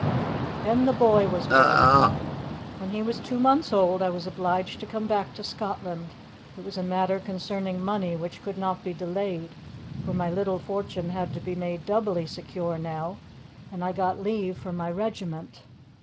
"Then the boy was born. When he was two months old I was obliged to come back to Scotland; it was a matter concerning money which could not be delayed, for my little fortune had to be made doubly secure now, and I got leave from my regiment.